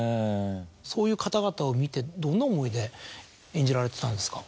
そういう方々を見てどんな思いで演じられてたんですか？